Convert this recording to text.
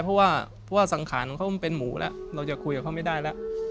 เพราะว่าสังขารของเขามันเป็นหมูแล้วเราจะคุยกับเขาไม่ได้แล้ว